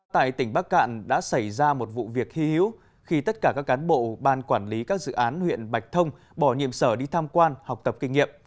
tại tỉnh bắc cạn đã xảy ra một vụ việc hy hữu khi tất cả các cán bộ ban quản lý các dự án huyện bạch thông bỏ nhiệm sở đi tham quan học tập kinh nghiệm